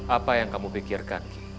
apa yang kamu pikirkan